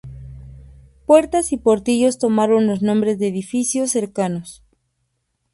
Puertas y portillos tomaron los nombres de edificios cercanos.